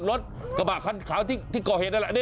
รถกระบะคันขาวที่ก่อเหตุนั่นแหละ